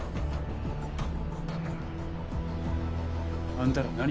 あんたら何？